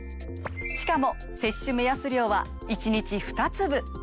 しかも摂取目安量は１日２粒。